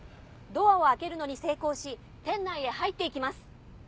ドアを開けるのに成功し店内へ入っていきます。